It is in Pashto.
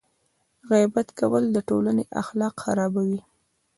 غیبت کول د ټولنې اخلاق خرابوي.